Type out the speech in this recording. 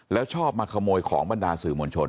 แล้วชอบมาขโมยของบรรดาสื่อมวลชน